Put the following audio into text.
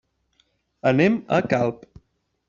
Anem a Calp.